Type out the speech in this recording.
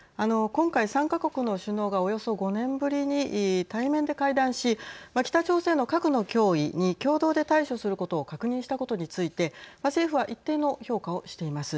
今回３か国の首脳がおよそ５年ぶりに対面で会談し北朝鮮の核の脅威に共同で対処することを確認したことについて政府は一定の評価をしています。